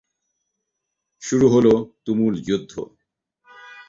শুরু হলো তুমুল যুদ্ধ।